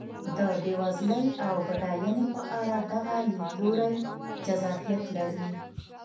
د بېوزلۍ او بډاینې په اړه دغه لیدلوری جذابیت لري.